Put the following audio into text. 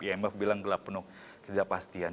imf bilang gelap penuh ketidakpastian